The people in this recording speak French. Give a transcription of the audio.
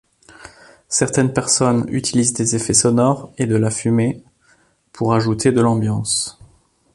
Certaines personnes utilisent des effets sonores et de la fumée pour ajouter de l'ambiance.